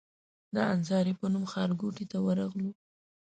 د انصاري په نوم ښارګوټي ته ورغلو.